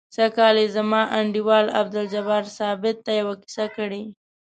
سږ کال یې زما انډیوال عبدالجبار ثابت ته یوه کیسه کړې.